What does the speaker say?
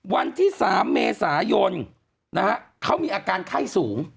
วันที่๓เมษายนเขามีอาการไข้สูง